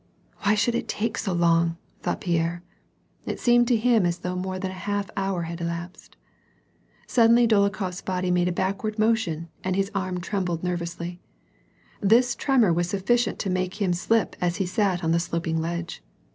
" Why should it take so long ?" thought Pierre. It seemed to him as though more than a half hour had elapsed. Sud denly Dolokhof s body made a backward motion and his arm trembled nervously ; this tremor was sufficient to make him slip as he sat. on the sloping ledge.